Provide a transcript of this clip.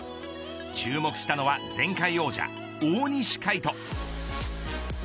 注目したのは前回王者大西魁斗。